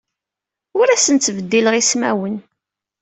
Ur asen-ttbeddileɣ ismawen.